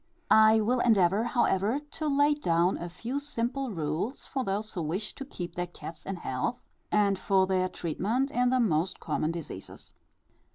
I will endeavour, however, to lay down a few simple rules for those who wish to keep their cats in health, and for their treatment in the most common diseases.